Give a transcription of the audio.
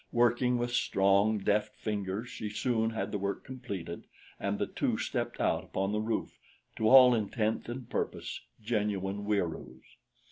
Working with strong, deft fingers she soon had the work completed, and the two stepped out upon the roof, to all intent and purpose genuine Wieroos.